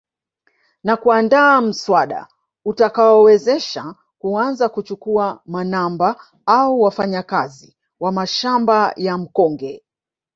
Na kuandaa muswada utakaowezesha kuanza kuchukua manamba au wafanyakazi wa mashamba ya mkonge